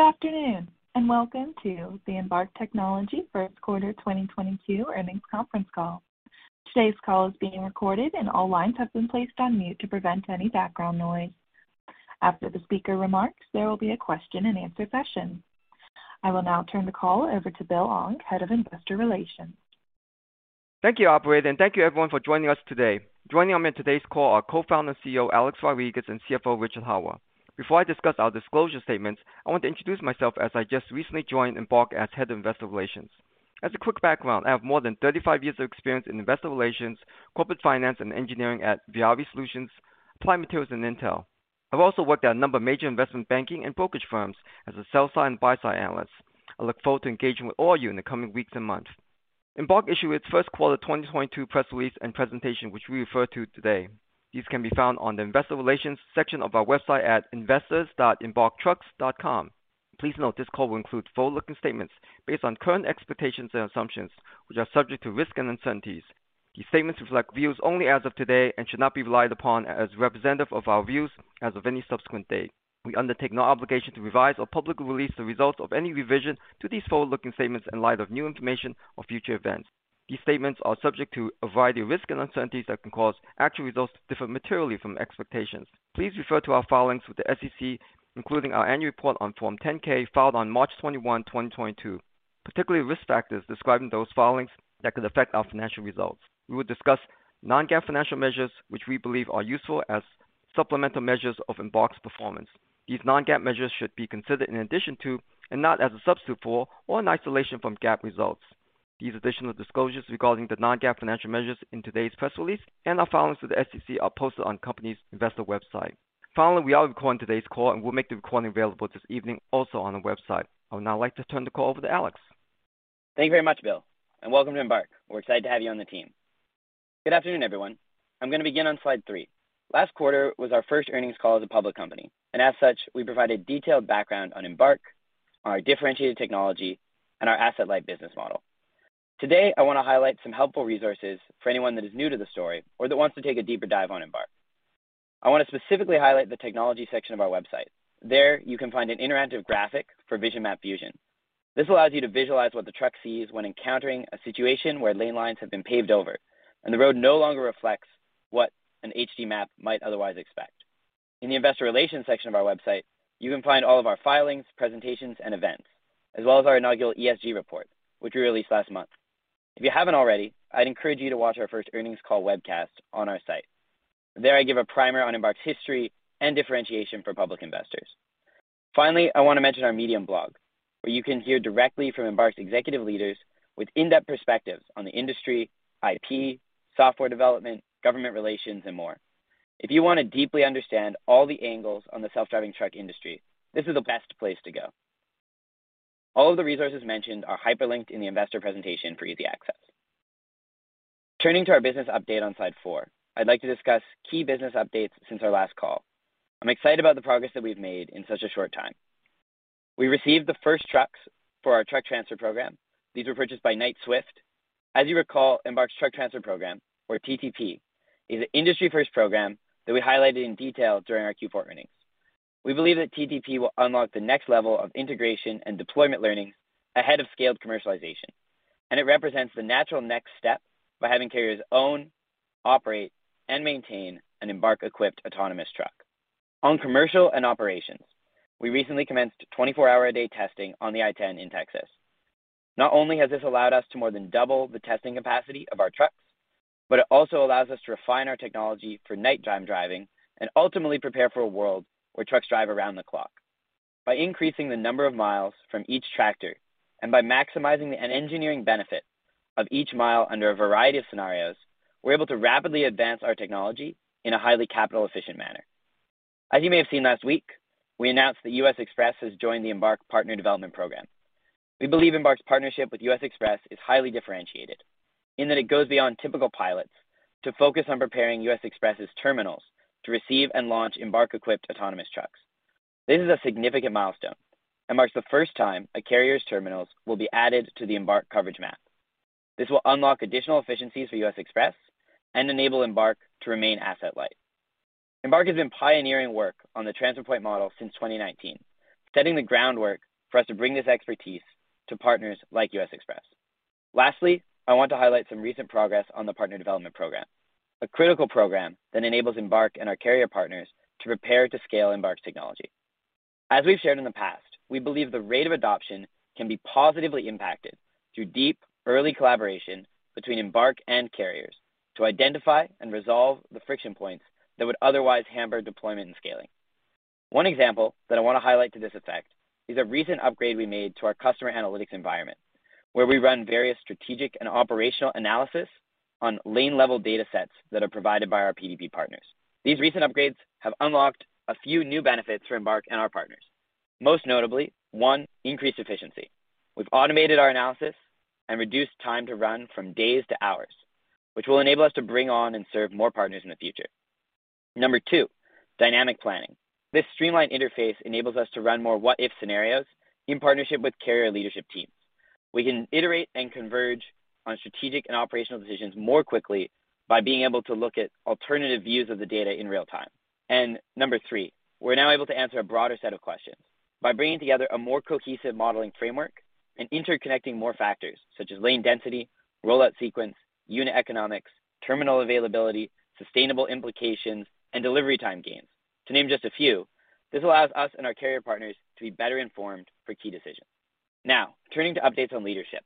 Good afternoon, and welcome to the Embark Technology first quarter 2022 earnings conference call. Today's call is being recorded, and all lines have been placed on mute to prevent any background noise. After the speaker remarks, there will be a question and answer session. I will now turn the call over to Bill Ong, Head of Investor Relations. Thank you, operator, and thank you everyone for joining us today. Joining me on today's call are Co-Founder and CEO Alex Rodrigues and CFO Richard Hawwa. Before I discuss our disclosure statements, I want to introduce myself as I just recently joined Embark as Head of Investor Relations. As a quick background, I have more than 35 years of experience in investor relations, corporate finance, and engineering at VIAVI Solutions, Applied Materials, and Intel. I've also worked at a number of major investment banking and brokerage firms as a sell-side and buy-side analyst. I look forward to engaging with all of you in the coming weeks and months. Embark issued its first quarter 2022 press release and presentation, which we refer to today. These can be found on the investor relations section of our website at investors.embarktrucks.com. Please note this call will include forward-looking statements based on current expectations and assumptions, which are subject to risk and uncertainties. These statements reflect views only as of today and should not be relied upon as representative of our views as of any subsequent date. We undertake no obligation to revise or publicly release the results of any revision to these forward-looking statements in light of new information or future events. These statements are subject to a variety of risks and uncertainties that can cause actual results to differ materially from expectations. Please refer to our filings with the SEC, including our annual report on Form 10-K filed on March 21, 2022, particularly risk factors describing those filings that could affect our financial results. We will discuss non-GAAP financial measures, which we believe are useful as supplemental measures of Embark's performance. These non-GAAP measures should be considered in addition to and not as a substitute for or in isolation from GAAP results. These additional disclosures regarding the non-GAAP financial measures in today's press release and our filings to the SEC are posted on company's investor website. Finally, we are recording today's call, and we'll make the recording available this evening also on the website. I would now like to turn the call over to Alex. Thank you very much, Bill, and welcome to Embark. We're excited to have you on the team. Good afternoon, everyone. I'm gonna begin on slide 3. Last quarter was our first earnings call as a public company, and as such, we provided detailed background on Embark, our differentiated technology, and our asset-light business model. Today, I wanna highlight some helpful resources for anyone that is new to the story or that wants to take a deeper dive on Embark. I wanna specifically highlight the technology section of our website. There, you can find an interactive graphic for Vision Map Fusion. This allows you to visualize what the truck sees when encountering a situation where lane lines have been paved over and the road no longer reflects what an HD map might otherwise expect. In the investor relations section of our website, you can find all of our filings, presentations, and events, as well as our inaugural ESG report, which we released last month. If you haven't already, I'd encourage you to watch our first earnings call webcast on our site. There I give a primer on Embark's history and differentiation for public investors. Finally, I wanna mention our Medium blog, where you can hear directly from Embark's executive leaders with in-depth perspectives on the industry, IP, software development, government relations, and more. If you wanna deeply understand all the angles on the self-driving truck industry, this is the best place to go. All of the resources mentioned are hyperlinked in the investor presentation for easy access. Turning to our business update on slide 4, I'd like to discuss key business updates since our last call. I'm excited about the progress that we've made in such a short time. We received the first trucks for our truck transfer program. These were purchased by Knight-Swift. As you recall, Embark's truck transfer program, or TTP, is an industry-first program that we highlighted in detail during our Q4 earnings. We believe that TTP will unlock the next level of integration and deployment learning ahead of scaled commercialization, and it represents the natural next step by having carriers own, operate, and maintain an Embark-equipped autonomous truck. On commercial and operations, we recently commenced 24-hour-a-day testing on the I-10 in Texas. Not only has this allowed us to more than double the testing capacity of our trucks, but it also allows us to refine our technology for nighttime driving and ultimately prepare for a world where trucks drive around the clock. By increasing the number of miles from each tractor and by maximizing an engineering benefit of each mile under a variety of scenarios, we're able to rapidly advance our technology in a highly capital efficient manner. As you may have seen last week, we announced that U.S. Xpress has joined the Embark Partner Development Program. We believe Embark's partnership with U.S. Xpress is highly differentiated in that it goes beyond typical pilots to focus on preparing U.S. Xpress's terminals to receive and launch Embark-equipped autonomous trucks. This is a significant milestone and marks the first time a carrier's terminals will be added to the Embark Coverage Map. This will unlock additional efficiencies for U.S. Xpress and enable Embark to remain asset light. Embark has been pioneering work on the transfer point model since 2019, setting the groundwork for us to bring this expertise to partners like U.S. Xpress. Lastly, I want to highlight some recent progress on the Partner Development Program, a critical program that enables Embark and our carrier partners to prepare to scale Embark's technology. As we've shared in the past, we believe the rate of adoption can be positively impacted through deep early collaboration between Embark and carriers to identify and resolve the friction points that would otherwise hamper deployment and scaling. One example that I wanna highlight to this effect is a recent upgrade we made to our customer analytics environment, where we run various strategic and operational analysis on lane-level data sets that are provided by our PDP partners. These recent upgrades have unlocked a few new benefits for Embark and our partners. Most notably, one, increased efficiency. We've automated our analysis and reduced time to run from days to hours, which will enable us to bring on and serve more partners in the future. Number two, dynamic planning. This streamlined interface enables us to run more what-if scenarios in partnership with carrier leadership teams. We can iterate and converge on strategic and operational decisions more quickly by being able to look at alternative views of the data in real time. Number three, we're now able to answer a broader set of questions by bringing together a more cohesive modeling framework and interconnecting more factors such as lane density, rollout sequence, unit economics, terminal availability, sustainable implications, and delivery time gains, to name just a few. This allows us and our carrier partners to be better informed for key decisions. Now turning to updates on leadership.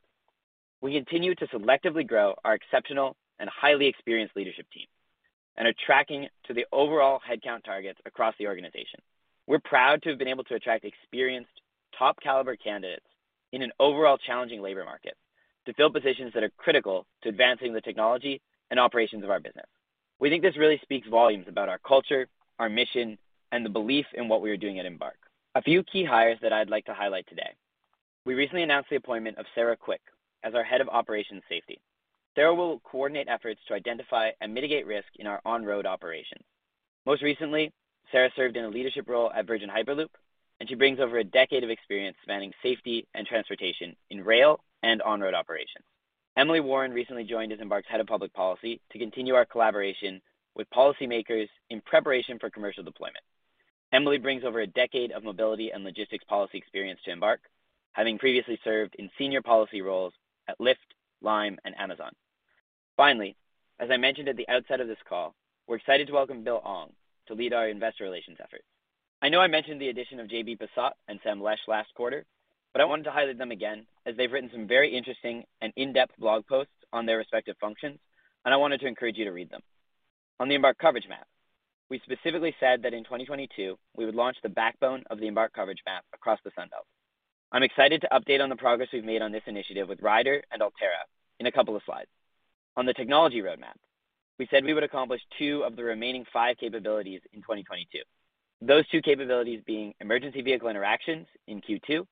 We continue to selectively grow our exceptional and highly experienced leadership team and are tracking to the overall headcount targets across the organization. We're proud to have been able to attract experienced top caliber candidates in an overall challenging labor market to fill positions that are critical to advancing the technology and operations of our business. We think this really speaks volumes about our culture, our mission, and the belief in what we are doing at Embark. A few key hires that I'd like to highlight today. We recently announced the appointment of Sarah Quick as our Head of Operation Safety. Sarah will coordinate efforts to identify and mitigate risk in our on-road operations. Most recently, Sarah served in a leadership role at Virgin Hyperloop, and she brings over a decade of experience spanning safety and transportation in rail and on-road operations. Emily Warren recently joined as Embark's Head of Public Policy to continue our collaboration with policymakers in preparation for commercial deployment. Emily brings over a decade of mobility and logistics policy experience to Embark, having previously served in senior policy roles at Lyft, Lime, and Amazon. Finally, as I mentioned at the outset of this call, we're excited to welcome Bill Ong to lead our investor relations efforts. I know I mentioned the addition of J.B Bassat and Sam Lesch last quarter, but I wanted to highlight them again as they've written some very interesting and in-depth blog posts on their respective functions, and I wanted to encourage you to read them. On the Embark Coverage Map, we specifically said that in 2022 we would launch the backbone of the Embark Coverage Map across the Sun Belt. I'm excited to update on the progress we've made on this initiative with Ryder and Alterra in a couple of slides. On the technology roadmap, we said we would accomplish 2 of the remaining 5 capabilities in 2022. Those 2 capabilities being emergency vehicle interactions in Q2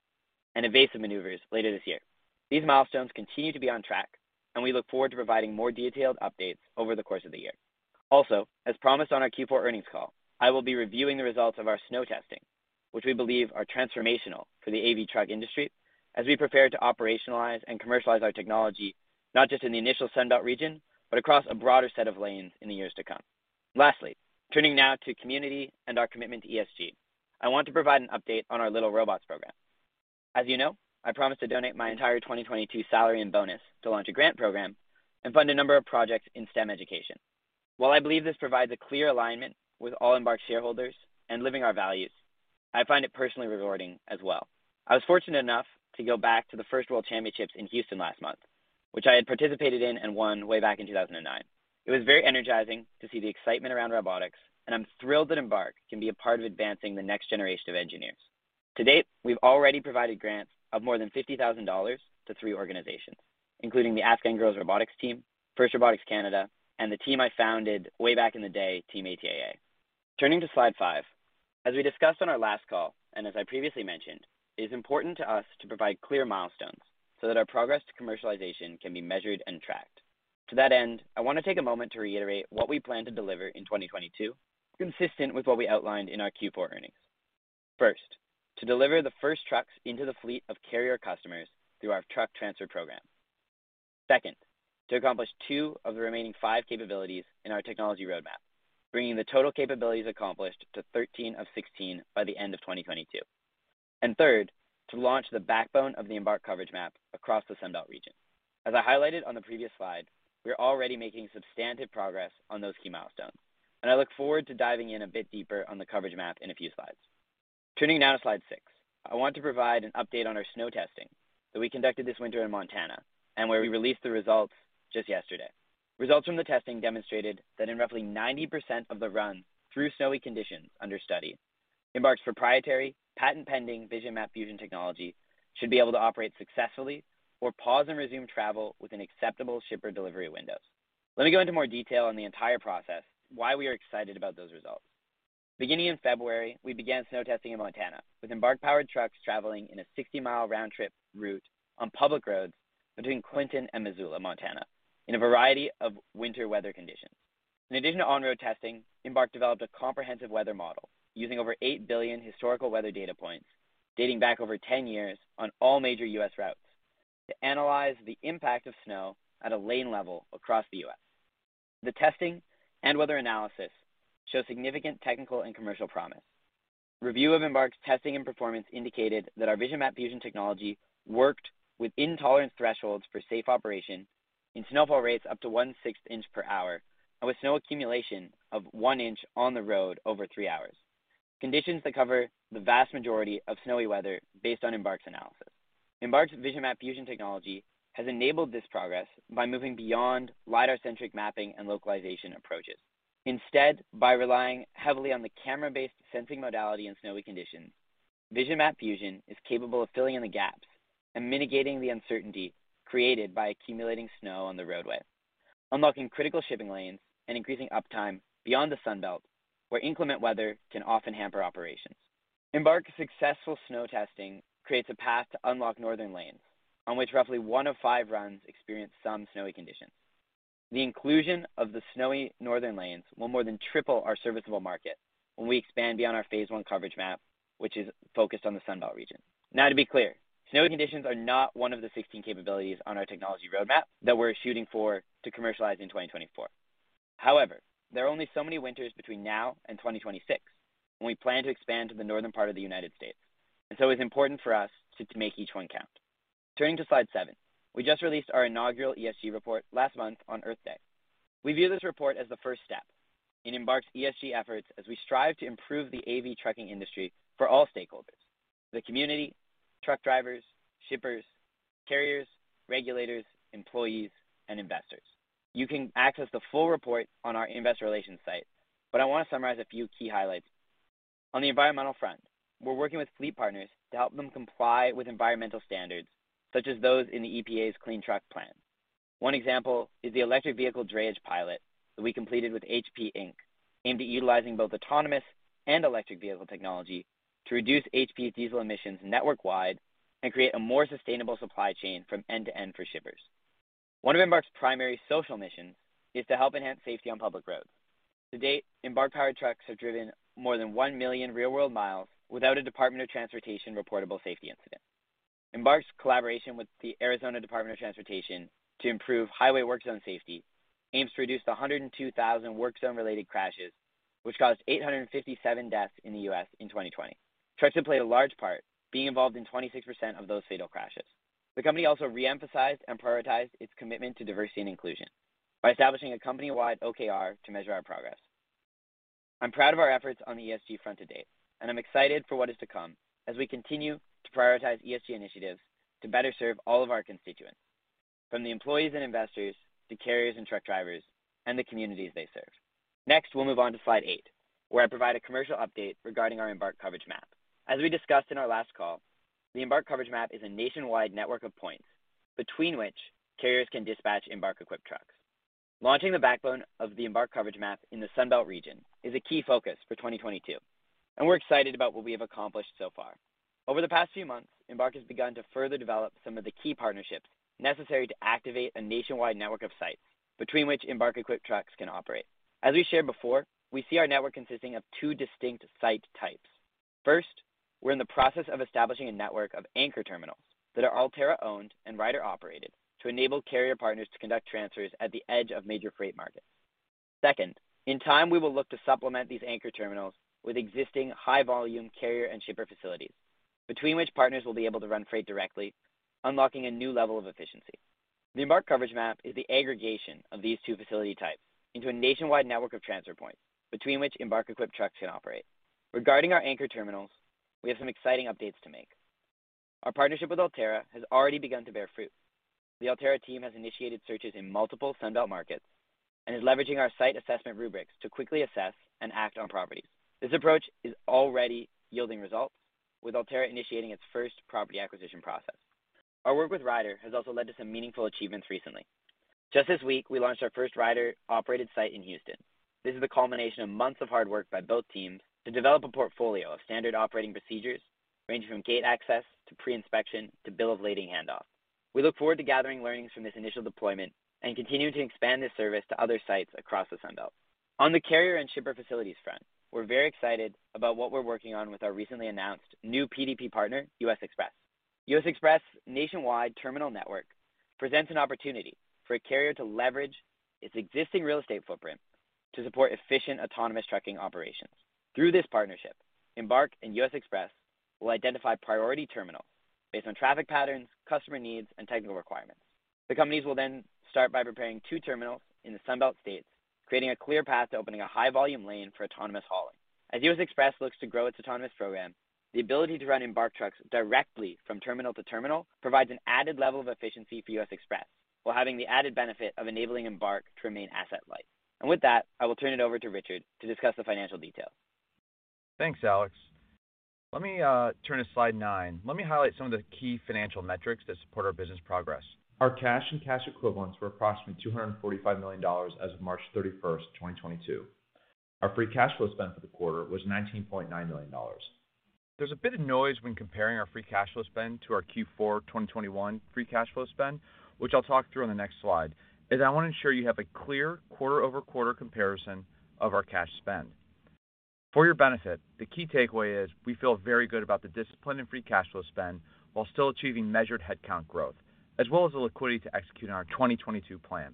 and evasive maneuvers later this year. These milestones continue to be on track and we look forward to providing more detailed updates over the course of the year. Also, as promised on our Q4 earnings call, I will be reviewing the results of our snow testing, which we believe are transformational for the AV truck industry as we prepare to operationalize and commercialize our technology not just in the initial Sun Belt region, but across a broader set of lanes in the years to come. Lastly, turning now to community and our commitment to ESG. I want to provide an update on our Little Robots program. As you know, I promised to donate my entire 2022 salary and bonus to launch a grant program and fund a number of projects in STEM education. While I believe this provides a clear alignment with all Embark shareholders and living our values, I find it personally rewarding as well. I was fortunate enough to go back to the FIRST World Championships in Houston last month, which I had participated in and won way back in 2009. It was very energizing to see the excitement around robotics, and I'm thrilled that Embark can be a part of advancing the next generation of engineers. To date, we've already provided grants of more than $50,000 to three organizations, including the Afghan Girls Robotics Team, FIRST Robotics Canada, and the team I founded way back in the day, Team ATAA. Turning to slide 5. As we discussed on our last call, and as I previously mentioned, it is important to us to provide clear milestones so that our progress to commercialization can be measured and tracked. To that end, I want to take a moment to reiterate what we plan to deliver in 2022, consistent with what we outlined in our Q4 earnings. First, to deliver the first trucks into the fleet of carrier customers through our Truck Transfer Program. Second, to accomplish two of the remaining five capabilities in our technology roadmap, bringing the total capabilities accomplished to 13 of 16 by the end of 2022. Third, to launch the backbone of the Embark Coverage Map across the Sun Belt region. As I highlighted on the previous slide, we are already making substantive progress on those key milestones, and I look forward to diving in a bit deeper on the Coverage Map in a few slides. Turning now to slide 6. I want to provide an update on our snow testing that we conducted this winter in Montana and where we released the results just yesterday. Results from the testing demonstrated that in roughly 90% of the run through snowy conditions under study, Embark's proprietary patent-pending Vision Map Fusion technology should be able to operate successfully or pause and resume travel within acceptable shipper delivery windows. Let me go into more detail on the entire process, why we are excited about those results. Beginning in February, we began snow testing in Montana with Embark-powered trucks traveling in a 60-mile round trip route on public roads between Clinton and Missoula, Montana, in a variety of winter weather conditions. In addition to on-road testing, Embark developed a comprehensive weather model using over 8 billion historical weather data points dating back over 10 years on all major U.S. routes to analyze the impact of snow at a lane level across the U.S. The testing and weather analysis show significant technical and commercial promise. Review of Embark's testing and performance indicated that our Vision Map Fusion technology worked within tolerance thresholds for safe operation in snowfall rates up to 1/6 inch per hour and with snow accumulation of 1 inch on the road over 3 hours, conditions that cover the vast majority of snowy weather based on Embark's analysis. Embark's Vision Map Fusion technology has enabled this progress by moving beyond lidar centric mapping and localization approaches. Instead, by relying heavily on the camera-based sensing modality in snowy conditions, Vision Map Fusion is capable of filling in the gaps and mitigating the uncertainty created by accumulating snow on the roadway, unlocking critical shipping lanes, and increasing uptime beyond the Sun Belt, where inclement weather can often hamper operations. Embark's successful snow testing creates a path to unlock northern lanes on which roughly one of five runs experience some snowy conditions. The inclusion of the snowy northern lanes will more than triple our serviceable market when we expand beyond our phase one coverage map, which is focused on the Sun Belt region. Now, to be clear, snowy conditions are not one of the 16 capabilities on our technology roadmap that we're shooting for to commercialize in 2024. However, there are only so many winters between now and 2026 when we plan to expand to the northern part of the United States, and so it's important for us to make each one count. Turning to slide 7. We just released our inaugural ESG report last month on Earth Day. We view this report as the first step in Embark's ESG efforts as we strive to improve the AV trucking industry for all stakeholders, the community, truck drivers, shippers, carriers, regulators, employees, and investors. You can access the full report on our investor relations site, but I want to summarize a few key highlights. On the environmental front, we're working with fleet partners to help them comply with environmental standards such as those in the EPA's Clean Trucks Plan. One example is the electric vehicle drayage pilot that we completed with HP Inc. Aimed at utilizing both autonomous and electric vehicle technology to reduce HP's diesel emissions network-wide and create a more sustainable supply chain from end to end for shippers. One of Embark's primary social missions is to help enhance safety on public roads. To date, Embark powered trucks have driven more than 1 million real-world miles without a Department of Transportation reportable safety incident. Embark's collaboration with the Arizona Department of Transportation to improve highway work zone safety aims to reduce the 102,000 work zone-related crashes, which caused 857 deaths in the U.S. in 2020. Trucks have played a large part being involved in 26% of those fatal crashes. The company also re-emphasized and prioritized its commitment to diversity and inclusion by establishing a company-wide OKR to measure our progress. I'm proud of our efforts on the ESG front to date, and I'm excited for what is to come as we continue to prioritize ESG initiatives to better serve all of our constituents, from the employees and investors to carriers and truck drivers and the communities they serve. Next, we'll move on to slide 8, where I provide a commercial update regarding our Embark Coverage Map. As we discussed in our last call, the Embark Coverage Map is a nationwide network of points between which carriers can dispatch Embark-equipped trucks. Launching the backbone of the Embark Coverage Map in the Sun Belt region is a key focus for 2022, and we're excited about what we have accomplished so far. Over the past few months, Embark has begun to further develop some of the key partnerships necessary to activate a nationwide network of sites between which Embark-equipped trucks can operate. As we shared before, we see our network consisting of two distinct site types. First, we're in the process of establishing a network of anchor terminals that are Alterra-owned and Ryder-operated to enable carrier partners to conduct transfers at the edge of major freight markets. Second, in time, we will look to supplement these anchor terminals with existing high-volume carrier and shipper facilities between which partners will be able to run freight directly, unlocking a new level of efficiency. The Embark Coverage Map is the aggregation of these two facility types into a nationwide network of transfer points between which Embark-equipped trucks can operate. Regarding our anchor terminals, we have some exciting updates to make. Our partnership with Alterra has already begun to bear fruit. The Alterra team has initiated searches in multiple Sun Belt markets and is leveraging our site assessment rubrics to quickly assess and act on properties. This approach is already yielding results, with Alterra initiating its first property acquisition process. Our work with Ryder has also led to some meaningful achievements recently. Just this week, we launched our first Ryder-operated site in Houston. This is the culmination of months of hard work by both teams to develop a portfolio of standard operating procedures ranging from gate access to pre-inspection to bill of lading handoff. We look forward to gathering learnings from this initial deployment and continuing to expand this service to other sites across the Sun Belt. On the carrier and shipper facilities front, we're very excited about what we're working on with our recently announced new PDP partner, U.S. Xpress. U.S. Xpress nationwide terminal network presents an opportunity for a carrier to leverage its existing real estate footprint to support efficient autonomous trucking operations. Through this partnership, Embark and U.S. Xpress will identify priority terminals based on traffic patterns, customer needs, and technical requirements. The companies will then start by preparing 2 terminals in the Sun Belt states, creating a clear path to opening a high volume lane for autonomous hauling. As U.S. Xpress looks to grow its autonomous program, the ability to run Embark trucks directly from terminal to terminal provides an added level of efficiency for U.S. Xpress while having the added benefit of enabling Embark to remain asset light. With that, I will turn it over to Richard to discuss the financial details. Thanks, Alex. Let me turn to slide nine. Let me highlight some of the key financial metrics that support our business progress. Our cash and cash equivalents were approximately $245 million as of March 31, 2022. Our free cash flow spend for the quarter was $19.9 million. There's a bit of noise when comparing our free cash flow spend to our Q4 2021 free cash flow spend, which I'll talk through on the next slide, as I want to ensure you have a clear quarter-over-quarter comparison of our cash spend. For your benefit, the key takeaway is we feel very good about the discipline in free cash flow spend while still achieving measured headcount growth, as well as the liquidity to execute on our 2022 plan.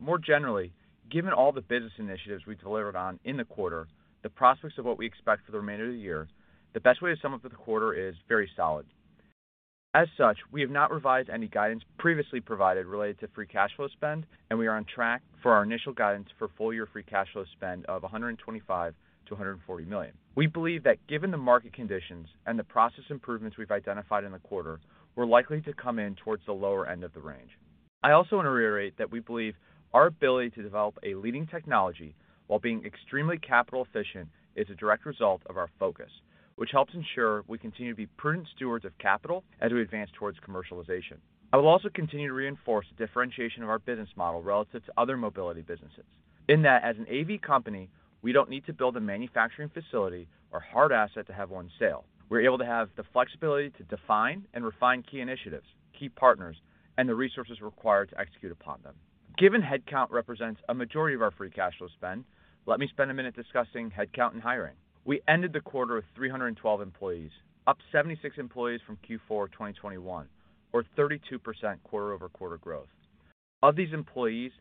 More generally, given all the business initiatives we delivered on in the quarter, the prospects of what we expect for the remainder of the year, the best way to sum up the quarter is very solid. As such, we have not revised any guidance previously provided related to free cash flow spend, and we are on track for our initial guidance for full year free cash flow spend of $125 million-$140 million. We believe that given the market conditions and the process improvements we've identified in the quarter, we're likely to come in towards the lower end of the range. I also want to reiterate that we believe our ability to develop a leading technology while being extremely capital efficient is a direct result of our focus, which helps ensure we continue to be prudent stewards of capital as we advance towards commercialization. I will also continue to reinforce the differentiation of our business model relative to other mobility businesses. In that, as an AV company, we don't need to build a manufacturing facility or hard asset to have one sale. We're able to have the flexibility to define and refine key initiatives, key partners, and the resources required to execute upon them. Given headcount represents a majority of our free cash flow spend, let me spend a minute discussing headcount and hiring. We ended the quarter with 312 employees, up 76 employees from Q4 of 2021, or 32% quarter-over-quarter growth. Of these employees,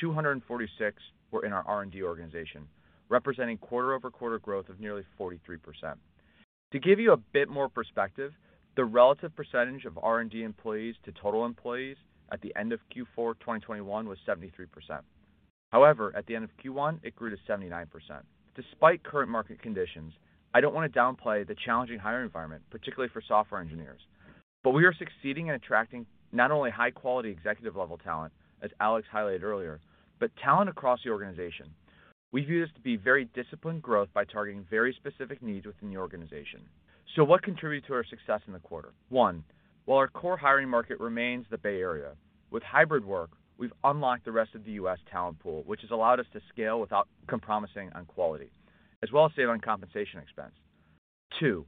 246 were in our R&D organization, representing quarter-over-quarter growth of nearly 43%. To give you a bit more perspective, the relative percentage of R&D employees to total employees at the end of Q4 of 2021 was 73%. However, at the end of Q1, it grew to 79%. Despite current market conditions, I don't wanna downplay the challenging hiring environment, particularly for software engineers. We are succeeding in attracting not only high-quality executive-level talent, as Alex highlighted earlier, but talent across the organization. We view this to be very disciplined growth by targeting very specific needs within the organization. What contributed to our success in the quarter? 1, while our core hiring market remains the Bay Area, with hybrid work, we've unlocked the rest of the U.S. talent pool, which has allowed us to scale without compromising on quality, as well as save on compensation expense. Two,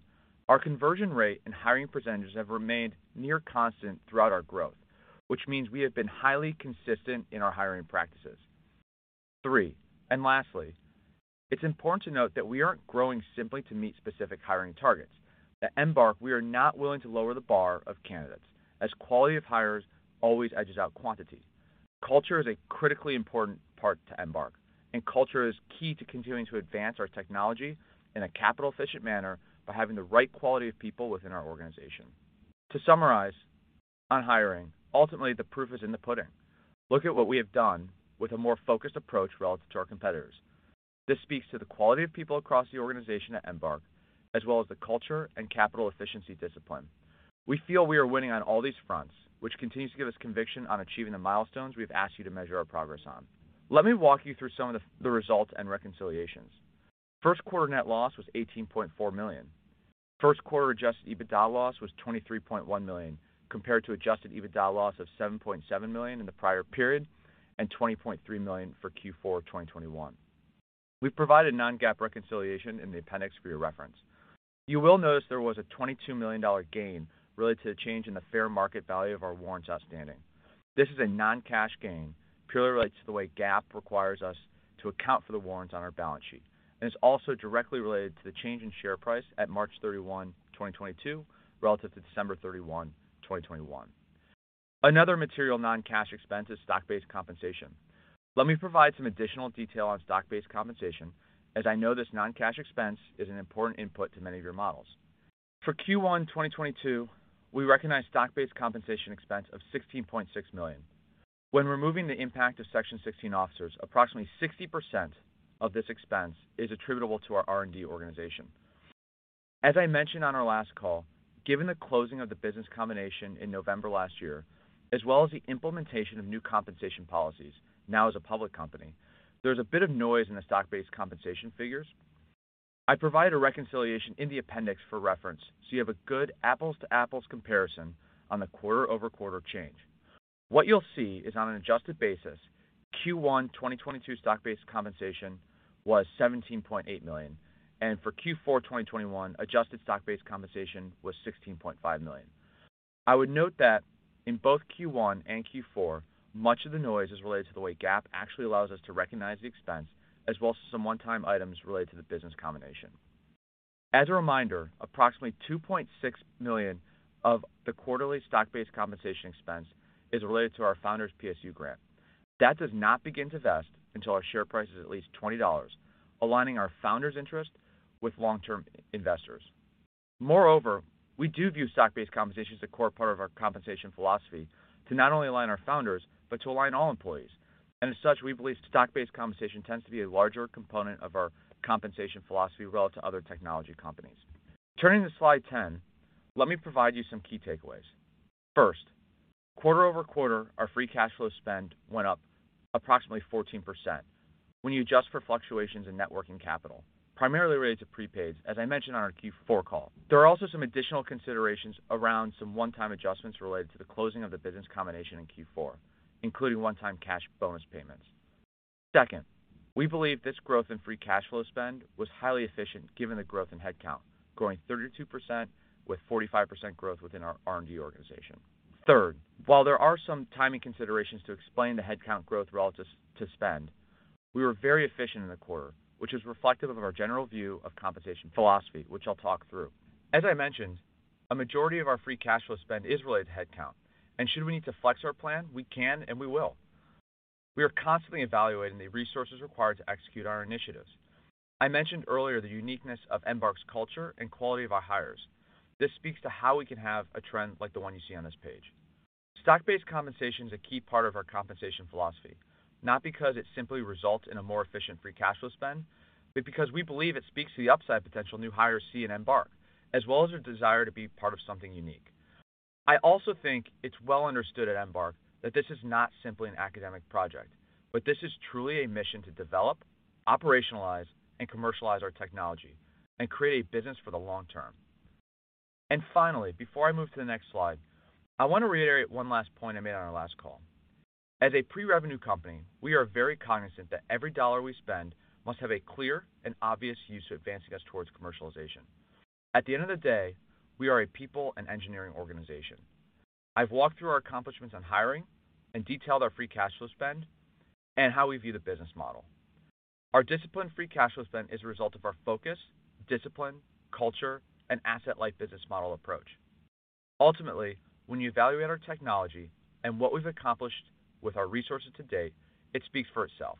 our conversion rate and hiring percentages have remained near constant throughout our growth, which means we have been highly consistent in our hiring practices. Three, lastly, it's important to note that we aren't growing simply to meet specific hiring targets. At Embark, we are not willing to lower the bar of candidates as quality of hires always edges out quantity. Culture is a critically important part to Embark, and culture is key to continuing to advance our technology in a capital efficient manner by having the right quality of people within our organization. To summarize, on hiring, ultimately, the proof is in the pudding. Look at what we have done with a more focused approach relative to our competitors. This speaks to the quality of people across the organization at Embark, as well as the culture and capital efficiency discipline. We feel we are winning on all these fronts, which continues to give us conviction on achieving the milestones we've asked you to measure our progress on. Let me walk you through some of the results and reconciliations. First quarter net loss was $18.4 million. First quarter adjusted EBITDA loss was $23.1 million, compared to adjusted EBITDA loss of $7.7 million in the prior period, and $20.3 million for Q4 of 2021. We've provided non-GAAP reconciliation in the appendix for your reference. You will notice there was a $22 million gain related to the change in the fair market value of our warrants outstanding. This is a non-cash gain, purely related to the way GAAP requires us to account for the warrants on our balance sheet, and it's also directly related to the change in share price at March 31, 2022, relative to December 31, 2021. Another material non-cash expense is stock-based compensation. Let me provide some additional detail on stock-based compensation, as I know this non-cash expense is an important input to many of your models. For Q1 2022, we recognized stock-based compensation expense of $16.6 million. When removing the impact of Section 16 officers, approximately 60% of this expense is attributable to our R&D organization. As I mentioned on our last call, given the closing of the business combination in November last year, as well as the implementation of new compensation policies, now as a public company, there's a bit of noise in the stock-based compensation figures. I provide a reconciliation in the appendix for reference, so you have a good apples to apples comparison on the quarter-over-quarter change. What you'll see is on an adjusted basis, Q1 2022 stock-based compensation was $17.8 million, and for Q4 2021, adjusted stock-based compensation was $16.5 million. I would note that in both Q1 and Q4, much of the noise is related to the way GAAP actually allows us to recognize the expense, as well as some one-time items related to the business combination. As a reminder, approximately $2.6 million of the quarterly stock-based compensation expense is related to our founder's PSU grant. That does not begin to vest until our share price is at least $20, aligning our founders' interest with long-term investors. Moreover, we do view stock-based compensation as a core part of our compensation philosophy to not only align our founders, but to align all employees. As such, we believe stock-based compensation tends to be a larger component of our compensation philosophy relative to other technology companies. Turning to slide 10, let me provide you some key takeaways. First, quarter-over-quarter, our free cash flow spend went up approximately 14% when you adjust for fluctuations in net working capital, primarily related to prepaids, as I mentioned on our Q4 call. There are also some additional considerations around some one-time adjustments related to the closing of the business combination in Q4, including one-time cash bonus payments. Second, we believe this growth in free cash flow spend was highly efficient given the growth in headcount, growing 32% with 45% growth within our R&D organization. Third, while there are some timing considerations to explain the headcount growth relative to spend, we were very efficient in the quarter, which is reflective of our general view of compensation philosophy, which I'll talk through. As I mentioned, a majority of our free cash flow spend is related to headcount, and should we need to flex our plan, we can and we will. We are constantly evaluating the resources required to execute our initiatives. I mentioned earlier the uniqueness of Embark's culture and quality of our hires. This speaks to how we can have a trend like the one you see on this page. Stock-based compensation is a key part of our compensation philosophy, not because it simply results in a more efficient free cash flow spend, but because we believe it speaks to the upside potential new hires see in Embark, as well as their desire to be part of something unique. I also think it's well understood at Embark that this is not simply an academic project, but this is truly a mission to develop, operationalize, and commercialize our technology and create a business for the long term. Finally, before I move to the next slide, I want to reiterate one last point I made on our last call. As a pre-revenue company, we are very cognizant that every dollar we spend must have a clear and obvious use to advancing us towards commercialization. At the end of the day, we are a people and engineering organization. I've walked through our accomplishments on hiring and detailed our free cash flow spend and how we view the business model. Our disciplined free cash flow spend is a result of our focus, discipline, culture, and asset-light business model approach. Ultimately, when you evaluate our technology and what we've accomplished with our resources to date, it speaks for itself.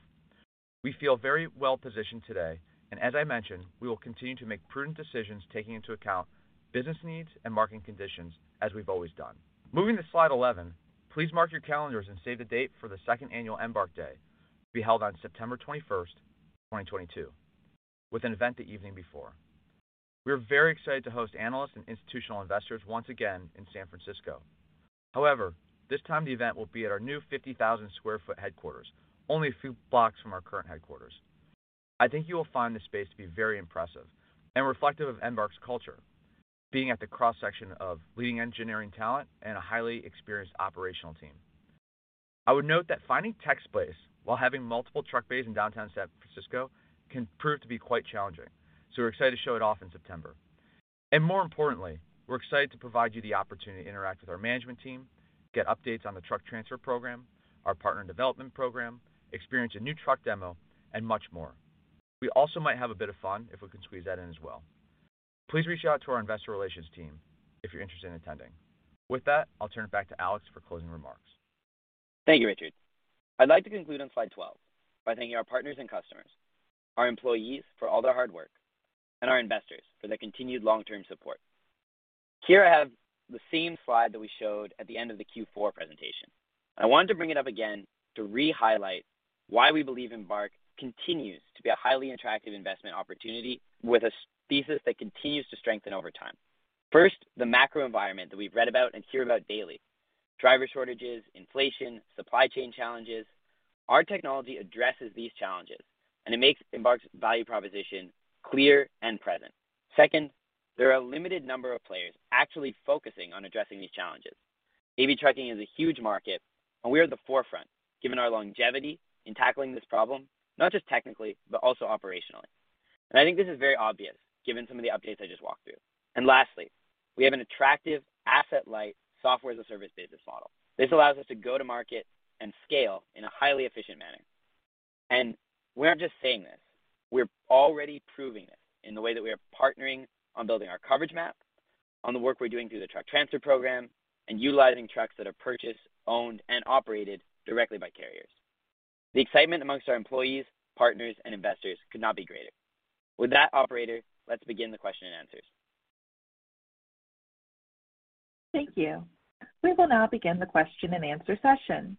We feel very well-positioned today, and as I mentioned, we will continue to make prudent decisions, taking into account business needs and marketing conditions as we've always done. Moving to slide 11, please mark your calendars and save the date for the second annual Embark Tech, to be held on September 21, 2022, with an event the evening before. We are very excited to host analysts and institutional investors once again in San Francisco. However, this time the event will be at our new 50,000 sq ft headquarters, only a few blocks from our current headquarters. I think you will find the space to be very impressive and reflective of Embark's culture, being at the cross-section of leading engineering talent and a highly experienced operational team. I would note that finding tech space while having multiple truck bays in downtown San Francisco can prove to be quite challenging, so we're excited to show it off in September. More importantly, we're excited to provide you the opportunity to interact with our management team, get updates on the truck transfer program, our partner development program, experience a new truck demo, and much more. We also might have a bit of fun if we can squeeze that in as well. Please reach out to our investor relations team if you're interested in attending. With that, I'll turn it back to Alex for closing remarks. Thank you, Richard. I'd like to conclude on slide 12 by thanking our partners and customers, our employees for all their hard work, and our investors for their continued long-term support. Here I have the same slide that we showed at the end of the Q4 presentation. I wanted to bring it up again to re-highlight why we believe Embark continues to be a highly attractive investment opportunity with a thesis that continues to strengthen over time. First, the macro environment that we've read about and hear about daily. Driver shortages, inflation, supply chain challenges. Our technology addresses these challenges, and it makes Embark's value proposition clear and present. Second, there are a limited number of players actually focusing on addressing these challenges. AV trucking is a huge market, and we are at the forefront, given our longevity in tackling this problem, not just technically, but also operationally. I think this is very obvious given some of the updates I just walked through. Lastly, we have an attractive asset-light software as a service business model. This allows us to go to market and scale in a highly efficient manner. We aren't just saying this, we're already proving this in the way that we are partnering on building our Coverage Map, on the work we're doing through the Truck Transfer Program, and utilizing trucks that are purchased, owned, and operated directly by carriers. The excitement amongst our employees, partners, and investors could not be greater. With that, operator, let's begin the question and answers. Thank you. We will now begin the question-and-answer session.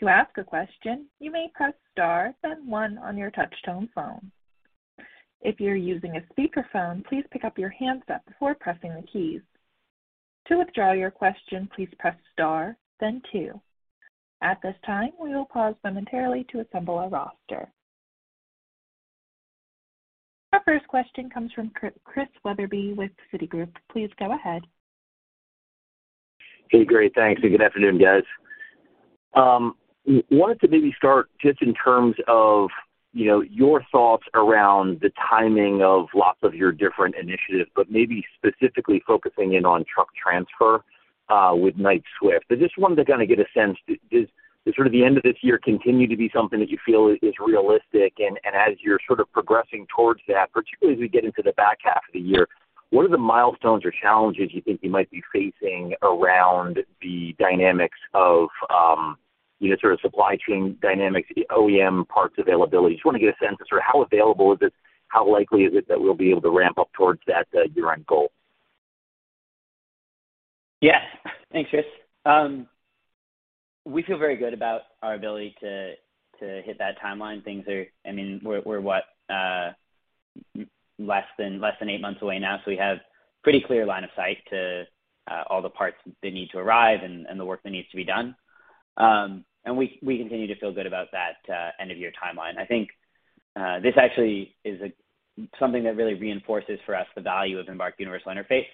To ask a question, you may press star then one on your touch tone phone. If you're using a speakerphone, please pick up your handset before pressing the keys. To withdraw your question, please press star then two. At this time, we will pause momentarily to assemble a roster. Our first question comes from Chris Wetherbee with Citigroup. Please go ahead. Hey, great. Thanks. Good afternoon, guys. Wanted to maybe start just in terms of, you know, your thoughts around the timing of lots of your different initiatives, but maybe specifically focusing in on truck transfer with Knight-Swift. I just wanted to kind of get a sense, does sort of the end of this year continue to be something that you feel is realistic? As you're sort of progressing towards that, particularly as we get into the back half of the year, what are the milestones or challenges you think you might be facing around the dynamics of, you know, sort of supply chain dynamics, the OEM parts availability. Just wanna get a sense of sort of how available is this? How likely is it that we'll be able to ramp up towards that year-end goal? Yeah. Thanks, Chris. We feel very good about our ability to hit that timeline. I mean, we're what, less than eight months away now, so we have pretty clear line of sight to all the parts that need to arrive and the work that needs to be done. We continue to feel good about that end of year timeline. I think this actually is something that really reinforces for us the value of Embark Universal Interface,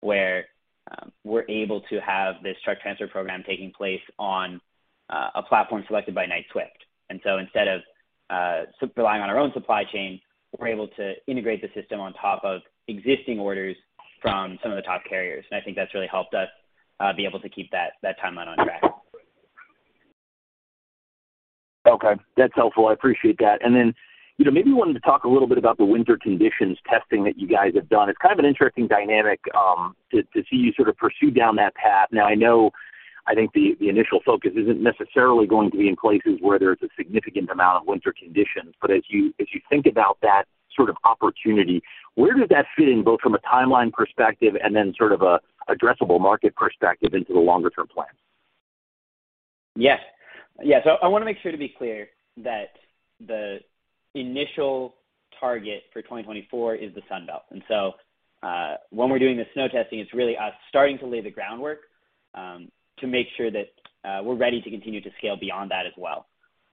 where we're able to have this Truck Transfer Program taking place on a platform selected by Knight-Swift. Instead of relying on our own supply chain, we're able to integrate the system on top of existing orders from some of the top carriers, and I think that's really helped us be able to keep that timeline on track. Okay. That's helpful. I appreciate that. Then, you know, maybe wanted to talk a little bit about the winter conditions testing that you guys have done. It's kind of an interesting dynamic to see you sort of pursue down that path. Now, I know, I think the initial focus isn't necessarily going to be in places where there's a significant amount of winter conditions, but as you think about that sort of opportunity, where does that fit in, both from a timeline perspective and then sort of an addressable market perspective into the longer term plan? Yes, I want to make sure to be clear that the initial target for 2024 is the Sun Belt. When we're doing the snow testing, it's really us starting to lay the groundwork to make sure that we're ready to continue to scale beyond that as well.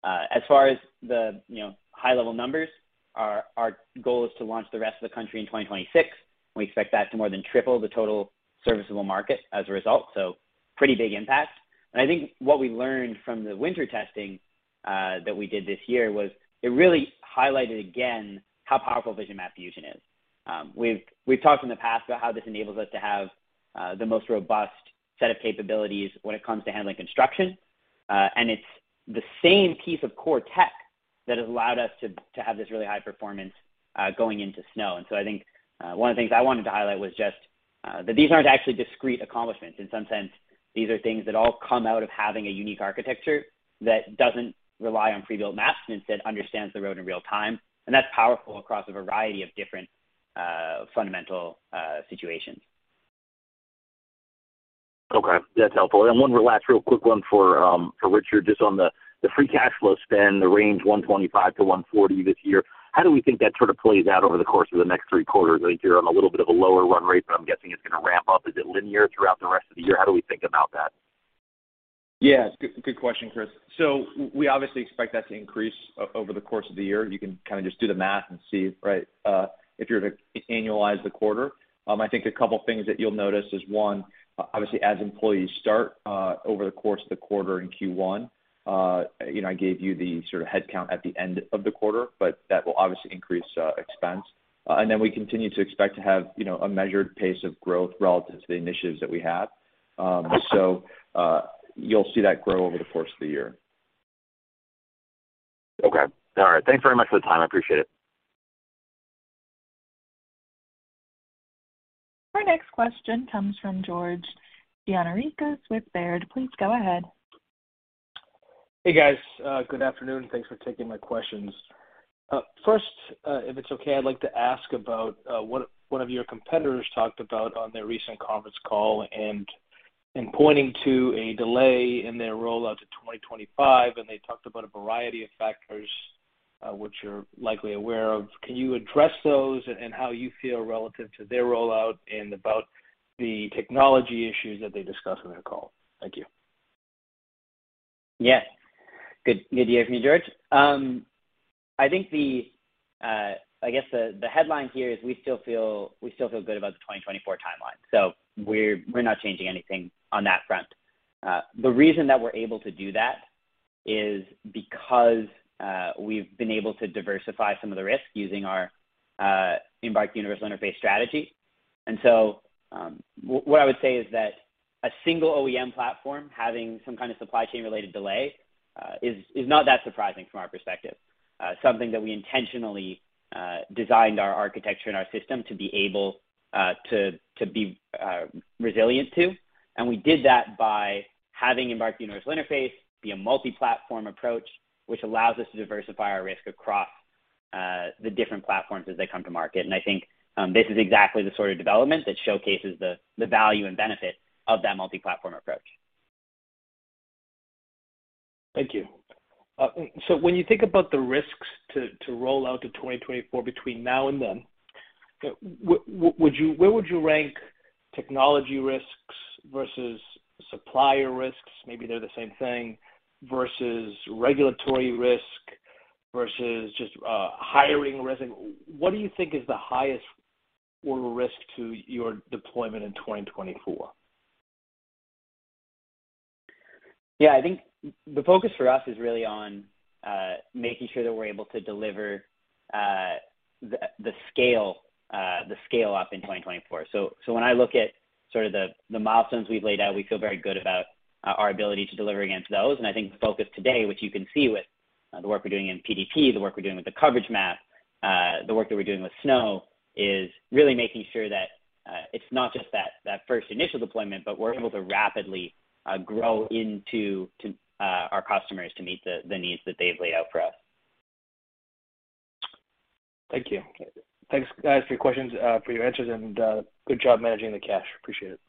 As far as the high-level numbers, our goal is to launch the rest of the country in 2026. We expect that to more than triple the total serviceable market as a result. Pretty big impact. I think what we learned from the winter testing that we did this year was it really highlighted again how powerful Vision Map Fusion is. We've talked in the past about how this enables us to have the most robust set of capabilities when it comes to handling construction. It's the same piece of core tech that has allowed us to have this really high performance going into snow. I think one of the things I wanted to highlight was just that these aren't actually discrete accomplishments. In some sense, these are things that all come out of having a unique architecture that doesn't rely on pre-built maps and instead understands the road in real time. That's powerful across a variety of different fundamental situations. Okay, that's helpful. One last real quick one for Richard, just on the free cash flow spend, the range $125-$140 this year. How do we think that sort of plays out over the course of the next three quarters? I think you're on a little bit of a lower run rate, but I'm guessing it's going to ramp up. Is it linear throughout the rest of the year? How do we think about that? Yeah, good question, Chris. We obviously expect that to increase over the course of the year. You can kind of just do the math and see, right, if you're gonna annualize the quarter. I think a couple of things that you'll notice is, one, obviously as employees start over the course of the quarter in Q1, you know, I gave you the sort of head count at the end of the quarter, but that will obviously increase expense. We continue to expect to have, you know, a measured pace of growth relative to the initiatives that we have. You'll see that grow over the course of the year. Okay. All right. Thanks very much for the time. I appreciate it. Our next question comes from George Gianarikas with Baird. Please go ahead. Hey, guys. Good afternoon. Thanks for taking my questions. First, if it's okay, I'd like to ask about what one of your competitors talked about on their recent conference call and pointing to a delay in their rollout to 2025, and they talked about a variety of factors, which you're likely aware of. Can you address those and how you feel relative to their rollout and about the technology issues that they discussed on their call? Thank you. Yes. Good to hear from you, George. I think the headline here is we still feel good about the 2024 timeline, so we're not changing anything on that front. The reason that we're able to do that is because we've been able to diversify some of the risk using our Embark Universal Interface strategy. What I would say is that a single OEM platform having some kind of supply chain related delay is not that surprising from our perspective. Something that we intentionally designed our architecture and our system to be resilient to. We did that by having Embark Universal Interface be a multi-platform approach, which allows us to diversify our risk across the different platforms as they come to market. I think this is exactly the sort of development that showcases the value and benefit of that multi-platform approach. Thank you. When you think about the risks to roll out to 2024 between now and then, where would you rank technology risks versus supplier risks, maybe they're the same thing, versus regulatory risk versus just hiring risk? What do you think is the highest order risk to your deployment in 2024? Yeah, I think the focus for us is really on making sure that we're able to deliver the scale up in 2024. When I look at sort of the milestones we've laid out, we feel very good about our ability to deliver against those. I think the focus today, which you can see with the work we're doing in PDP, the work we're doing with the Coverage Map, the work that we're doing with Snow, is really making sure that it's not just that first initial deployment, but we're able to rapidly grow and scale to our customers to meet the needs that they've laid out for us. Thank you. Thanks, guys, for your questions, for your answers, and good job managing the cash. Appreciate it.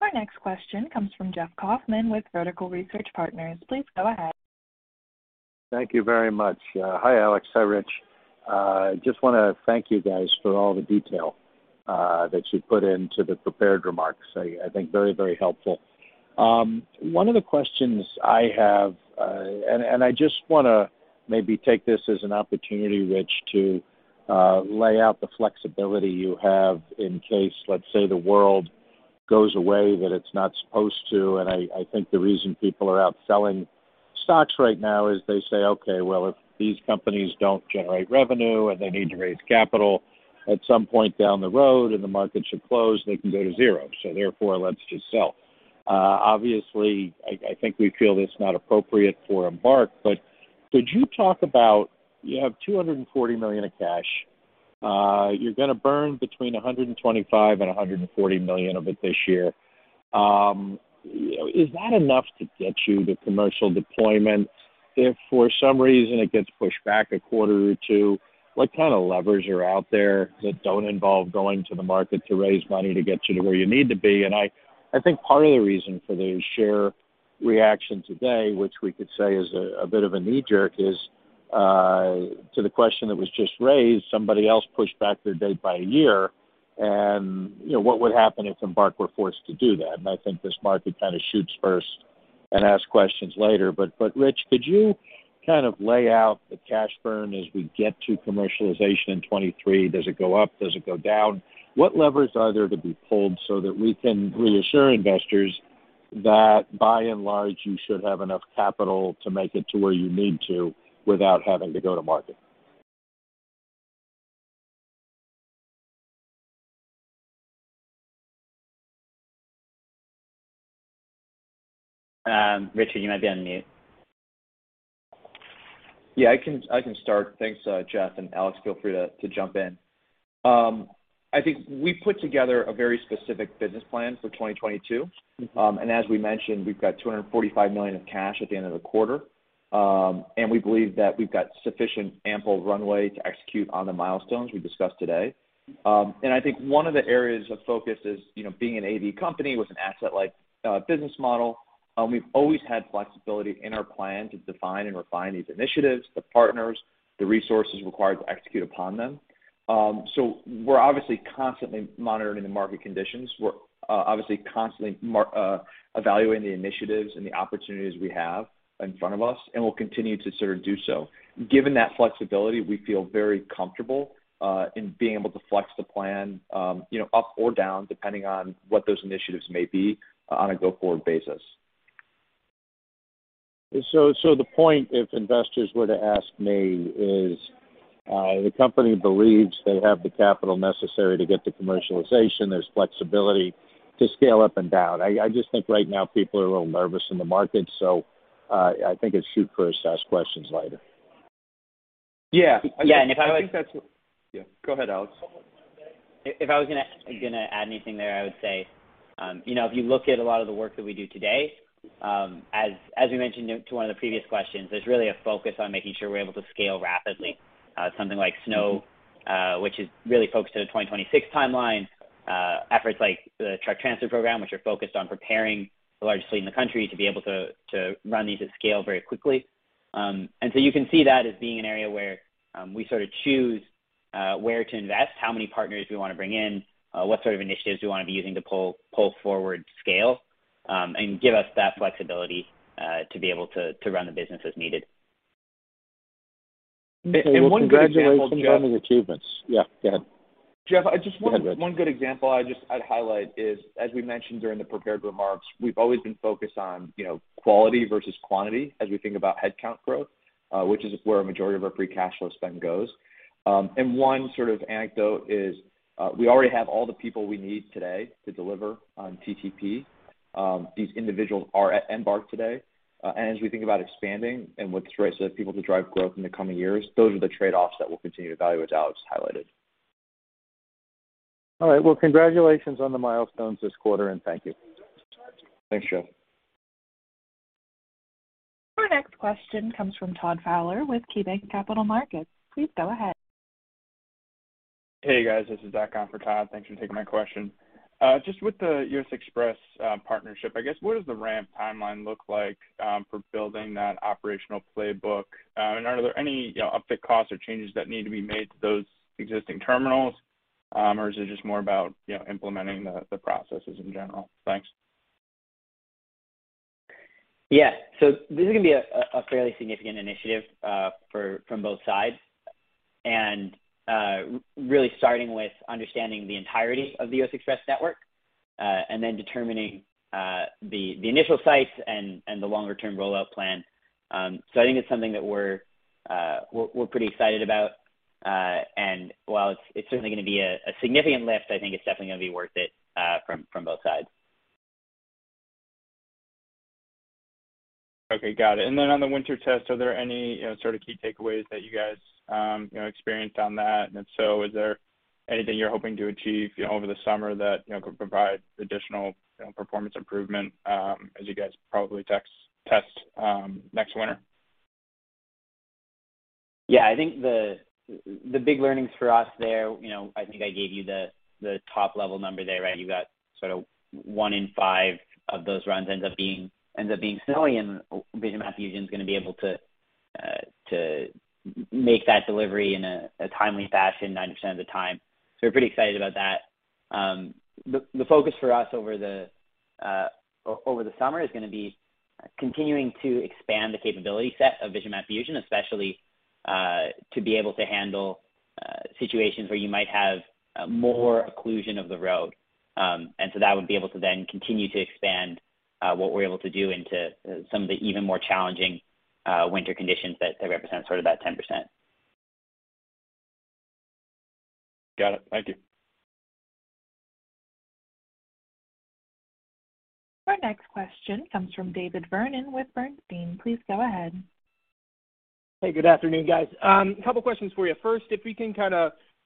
Our next question comes from Jeff Kauffman with Vertical Research Partners. Please go ahead. Thank you very much. Hi, Alex. Hi, Rich. Just want to thank you guys for all the detail that you put into the prepared remarks. I think very, very helpful. One of the questions I have, and I just want to maybe take this as an opportunity, Rich, to lay out the flexibility you have in case, let's say, the world goes a way that it's not supposed to. I think the reason people are out selling stocks right now is they say, okay, well, if these companies don't generate revenue and they need to raise capital at some point down the road and the markets are closed, they can go to zero. Therefore, let's just sell. Obviously, I think we feel it's not appropriate for Embark, but could you talk about... You have $240 million in cash. You're gonna burn between $125 million and $140 million of it this year. So is that enough to get you to commercial deployment? If for some reason it gets pushed back a quarter or two, what kind of levers are out there that don't involve going to the market to raise money to get you to where you need to be? I think part of the reason for the share reaction today, which we could say is a bit of a knee-jerk, is to the question that was just raised, somebody else pushed back their date by a year and, you know, what would happen if Embark were forced to do that? I think this market kind of shoots first and asks questions later. Rich, could you kind of lay out the cash burn as we get to commercialization in 2023? Does it go up? Does it go down? What levers are there to be pulled so that we can reassure investors that by and large, you should have enough capital to make it to where you need to without having to go to market? Richard, you might be on mute. I can start. Thanks, Jeff, and Alex, feel free to jump in. I think we put together a very specific business plan for 2022. As we mentioned, we've got $245 million of cash at the end of the quarter. We believe that we've got sufficient ample runway to execute on the milestones we discussed today. I think one of the areas of focus is, you know, being an AV company with an asset-light business model. We've always had flexibility in our plan to define and refine these initiatives, the partners, the resources required to execute upon them. We're obviously constantly monitoring the market conditions. We're obviously constantly evaluating the initiatives and the opportunities we have in front of us, and we'll continue to sort of do so. Given that flexibility, we feel very comfortable in being able to flex the plan, you know, up or down, depending on what those initiatives may be on a go-forward basis. The point, if investors were to ask me, is the company believes they have the capital necessary to get to commercialization. There's flexibility to scale up and down. I just think right now people are a little nervous in the market. I think it's shoot first, ask questions later. Yeah. Yeah. Yeah, go ahead, Alex. If I was gonna add anything there, I would say, you know, if you look at a lot of the work that we do today, as we mentioned earlier to one of the previous questions, there's really a focus on making sure we're able to scale rapidly. Something like Snow, which is really focused on a 2026 timeline. Efforts like the Truck Transfer Program, which are focused on preparing the largest fleet in the country to be able to run these at scale very quickly. You can see that as being an area where we sort of choose where to invest, how many partners we wanna bring in, what sort of initiatives we wanna be using to pull forward scale, and give us that flexibility to be able to run the business as needed. One good example, Jeff. Well, congratulations on the achievements. Yeah, go ahead. Jeff, I just one- Go ahead, Rich. One good example I'd highlight is, as we mentioned during the prepared remarks, we've always been focused on, you know, quality versus quantity as we think about headcount growth, which is where a majority of our free cash flow spend goes. One sort of anecdote is, we already have all the people we need today to deliver on TTP. These individuals are at Embark today. As we think about expanding and with the right set of people to drive growth in the coming years, those are the trade-offs that we'll continue to evaluate, as Alex highlighted. All right. Well, congratulations on the milestones this quarter, and thank you. Thanks, Jeff. Our next question comes from Todd Fowler with KeyBanc Capital Markets. Please go ahead. Hey, guys, this is Todd Fowler. Thanks for taking my question. Just with the U.S. Xpress partnership, I guess, what does the ramp timeline look like for building that operational playbook? And are there any, you know, upfit costs or changes that need to be made to those existing terminals, or is it just more about, you know, implementing the processes in general? Thanks. Yeah. This is gonna be a fairly significant initiative from both sides. Really starting with understanding the entirety of the U.S. Xpress network, and then determining the initial sites and the longer-term rollout plan. I think it's something that we're pretty excited about. While it's certainly gonna be a significant lift, I think it's definitely gonna be worth it from both sides. Okay, got it. On the winter test, are there any, you know, sort of key takeaways that you guys, you know, experienced on that? If so, is there anything you're hoping to achieve, you know, over the summer that, you know, could provide additional, you know, performance improvement, as you guys probably test next winter? Yeah. I think the big learnings for us there, you know, I think I gave you the top-level number there, right? You got sort of one in five of those runs ends up being snowy and Vision Map Fusion is gonna be able to make that delivery in a timely fashion 90% of the time. We're pretty excited about that. The focus for us over the summer is gonna be continuing to expand the capability set of Vision Map Fusion, especially to be able to handle situations where you might have more occlusion of the road. That would be able to then continue to expand what we're able to do into some of the even more challenging winter conditions that represent sort of that 10%. Got it. Thank you. Our next question comes from David Vernon with Bernstein. Please go ahead. Hey, good afternoon, guys. Couple questions for you. First, if you can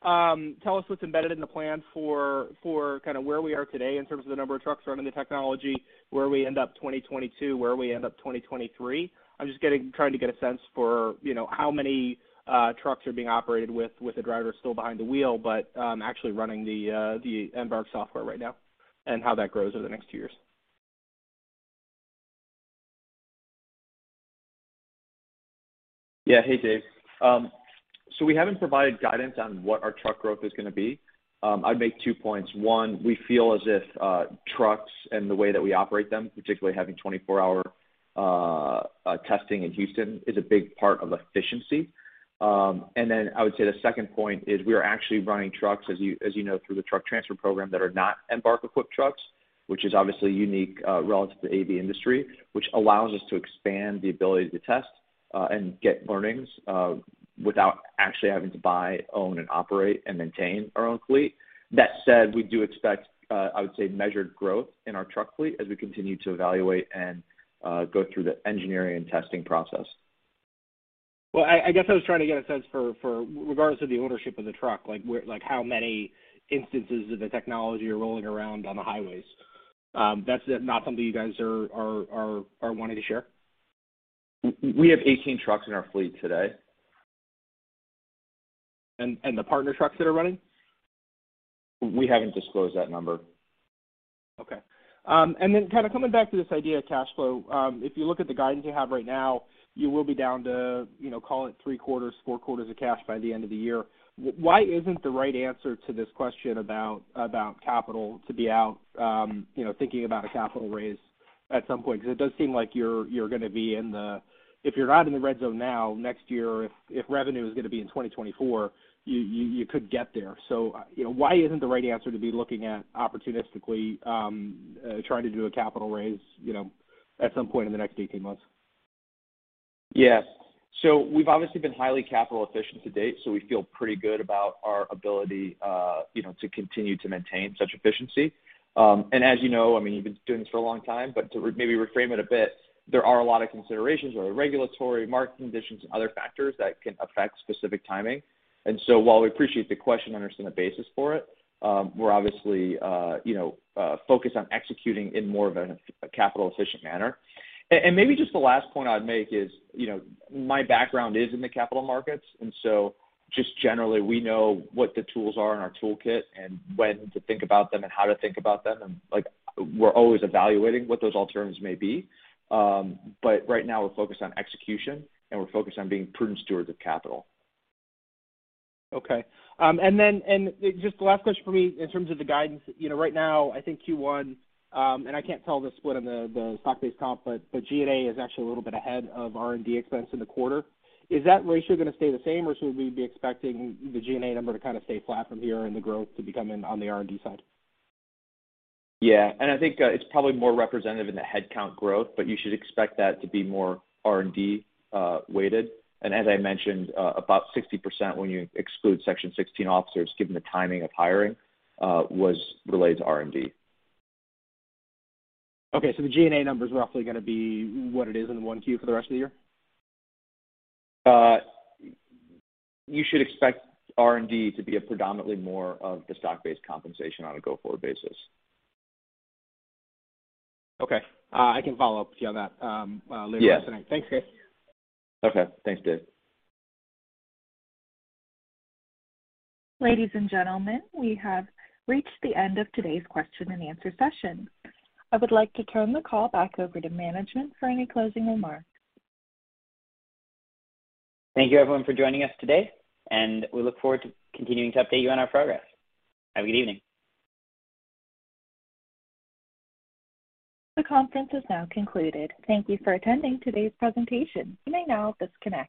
kinda tell us what's embedded in the plan for kinda where we are today in terms of the number of trucks running the technology, where we end up 2022, where we end up 2023. I'm just trying to get a sense for, you know, how many trucks are being operated with a driver still behind the wheel, but actually running the Embark software right now, and how that grows over the next two years. Yeah. Hey, Dave. So we haven't provided guidance on what our truck growth is gonna be. I'd make two points. One, we feel as if trucks and the way that we operate them, particularly having 24-hour testing in Houston, is a big part of efficiency. I would say the second point is we are actually running trucks, as you know, through the Truck Transfer Program that are not Embark-equipped trucks, which is obviously unique relative to AV industry, which allows us to expand the ability to test and get learnings without actually having to buy, own, and operate and maintain our own fleet. That said, we do expect, I would say measured growth in our truck fleet as we continue to evaluate and go through the engineering and testing process. Well, I guess I was trying to get a sense for regardless of the ownership of the truck, like how many instances of the technology are rolling around on the highways. That's not something you guys are wanting to share? We have 18 trucks in our fleet today. The partner trucks that are running? We haven't disclosed that number. Okay. Kinda coming back to this idea of cash flow, if you look at the guidance you have right now, you will be down to, you know, call it three quarters, four quarters of cash by the end of the year. Why isn't the right answer to this question about capital to be out, you know, thinking about a capital raise at some point? 'Cause it does seem like you're gonna be in the red zone. If you're not in the red zone now, next year, if revenue is gonna be in 2024, you could get there. You know, why isn't the right answer to be looking at opportunistically, trying to do a capital raise, you know, at some point in the next 18 months? Yeah. We've obviously been highly capital efficient to date, so we feel pretty good about our ability, you know, to continue to maintain such efficiency. As you know, I mean, you've been doing this for a long time, but maybe reframe it a bit, there are a lot of considerations or regulatory market conditions and other factors that can affect specific timing. While we appreciate the question, understand the basis for it, we're obviously, you know, focused on executing in more of a capital efficient manner. Maybe just the last point I'd make is, you know, my background is in the capital markets, and so just generally we know what the tools are in our toolkit and when to think about them and how to think about them, and, like, we're always evaluating what those alternatives may be. Right now we're focused on execution, and we're focused on being prudent stewards of capital. Okay. Just the last question for me in terms of the guidance. You know, right now I think Q1, and I can't tell the split on the stock-based comp, but G&A is actually a little bit ahead of R&D expense in the quarter. Is that ratio gonna stay the same or should we be expecting the G&A number to kinda stay flat from here and the growth to be coming on the R&D side? I think it's probably more representative in the headcount growth, but you should expect that to be more R&D weighted. As I mentioned, about 60% when you exclude Section 16 officers, given the timing of hiring, was related to R&D. Okay. The G&A number is roughly gonna be what it is in the 1Q for the rest of the year? You should expect R&D to be a predominantly more of the stock-based compensation on a go-forward basis. Okay. I can follow up with you on that. Yes. later this evening. Thanks, David Vernon. Okay. Thanks, Dave. Ladies and gentlemen, we have reached the end of today's question and answer session. I would like to turn the call back over to management for any closing remarks. Thank you everyone for joining us today, and we look forward to continuing to update you on our progress. Have a good evening. The conference is now concluded. Thank you for attending today's presentation. You may now disconnect.